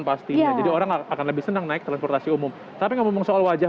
pastinya jadi orang akan lebih senang naik transportasi umum tapi ngomong soal wajah